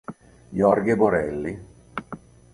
Jorge Borelli